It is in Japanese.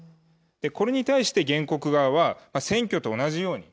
これに対して原告側は、選挙と同じように、